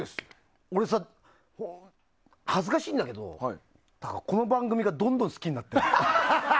俺さ、恥ずかしいんだけどこの番組がどんどん好きになっていく。